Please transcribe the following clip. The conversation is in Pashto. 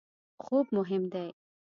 خوب مهم دی